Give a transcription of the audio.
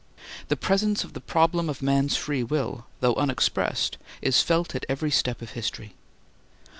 The presence of the problem of man's free will, though unexpressed, is felt at every step of history.